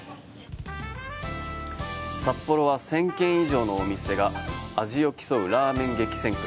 札幌は１０００軒以上のお店が味を競うラーメン激戦区。